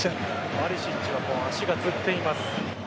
バリシッチは足がつっています。